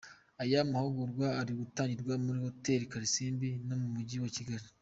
Aya mahugurwa ari gutangirwa muri Hotel Kalisimbi yo mu mujyi wa Kigali.